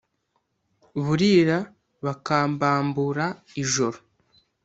burira bakambambura ijoro,